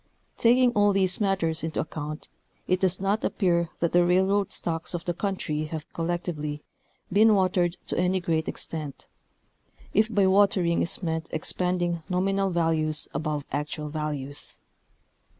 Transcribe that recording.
Taking all these matters into account, it does not appear that the railroad stocks of the country have, collectively, been watered to any great extent, if hy " watering " is meant expanding nom inal values above actual values.